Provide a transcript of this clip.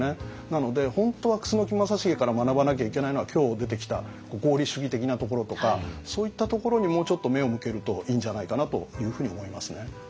なので本当は楠木正成から学ばなきゃいけないのは今日出てきた合理主義的なところとかそういったところにもうちょっと目を向けるといいんじゃないかなというふうに思いますね。